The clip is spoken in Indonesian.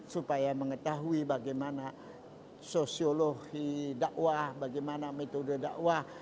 supaya mengetahui bagaimana sosiologi dakwah bagaimana metode dakwah